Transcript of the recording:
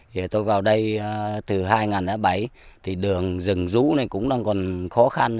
vì tôi vào đây từ hai nghìn bảy thì đường rừng rú này cũng đang còn khó khăn